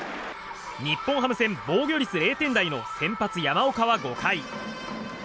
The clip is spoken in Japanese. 日本ハム戦、防御率０点台の先発、山岡は５回。